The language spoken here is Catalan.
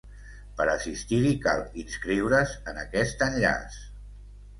Per assistir-hi, cal inscriure’s en aquest enllaç.